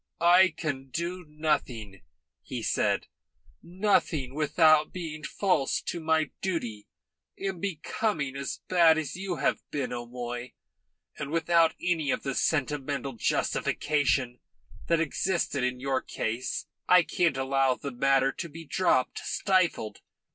"I can do nothing," he said, "nothing without being false to my duty and becoming as bad as you have been, O'Moy, and without any of the sentimental justification that existed in your case. I can't allow the matter to be dropped, stifled.